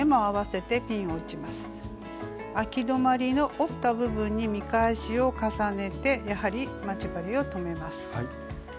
あき止まりの折った部分に見返しを重ねてやはり待ち針を留めます。